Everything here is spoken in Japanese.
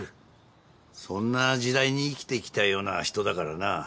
そんな時代に生きてきたような人だからな。